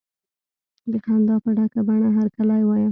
د خندا په ډکه بڼه هرکلی وایه.